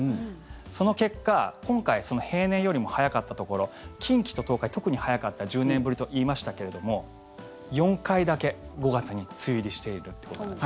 その結果今回、平年よりも早かったところ近畿と東海、特に早かった１０年ぶりと言いましたけれども４回だけ５月に梅雨入りしているということなんです。